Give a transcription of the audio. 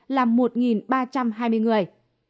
là một ba trăm hai mươi người